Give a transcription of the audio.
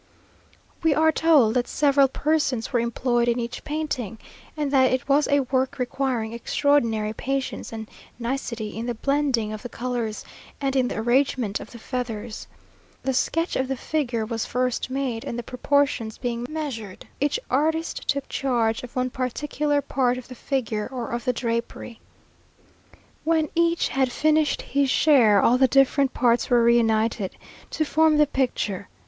We are told that several persons were employed in each painting, and that it was a work requiring extraordinary patience and nicety, in the blending of the colours, and in the arrangement of the feathers. The sketch of the figure was first made, and the proportions being measured, each artist took charge of one particular part of the figure or of the drapery. When each had finished his share, all the different parts were reunited, to form the picture.